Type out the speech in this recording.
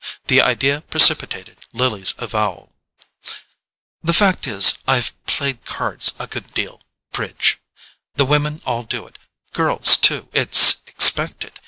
The idea precipitated Lily's avowal. "The fact is, I've played cards a good deal—bridge; the women all do it; girls too—it's expected.